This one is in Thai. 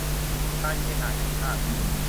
การเคหะแห่งชาติ